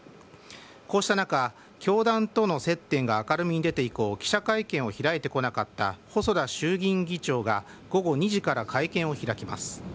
こうした中、教団との接点が明るみに出て以降記者会見を開いてこなかった細田衆議院議長が午後２時から会見を開きます。